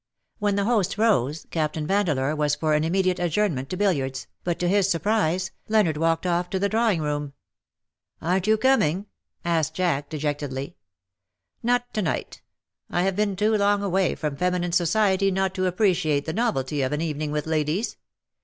When the host rose. Captain Vandeleur was for an immediate adjournment to billiards, but to his surprise, Leonard walked off to the drawing room. " Aren't you coming ?" asked Jack, dejectedly. " Not to night. I have been too long away from feminine society not to appreciate the novelty of an evening with ladies.